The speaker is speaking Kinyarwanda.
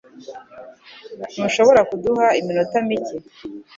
Ntushobora kuduha iminota mike